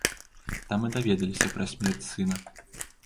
Там і даведаліся пра смерць сына.